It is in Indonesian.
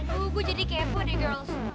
aduh gue jadi kepo deh girls